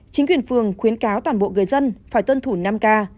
chính quyền phường khuyến cáo toàn bộ người dân phải tuân thủ năm k